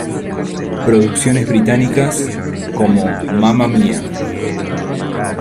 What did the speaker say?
Producciones británicas, como "Mamma Mia!